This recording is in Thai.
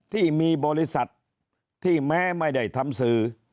ที่มีบริษัทที่แม้ไม่ได้ทำสื่อ